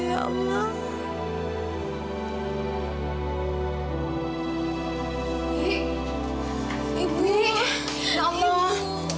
izinkan aku membesarkan dia ya allah